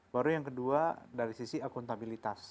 baru yang kedua dari sisi akuntabilitas